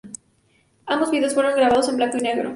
Ambos vídeos fueron gravados en blanco y negro.